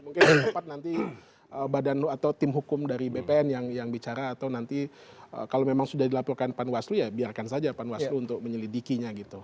mungkin tepat nanti badan atau tim hukum dari bpn yang bicara atau nanti kalau memang sudah dilaporkan panwaslu ya biarkan saja panwaslu untuk menyelidikinya gitu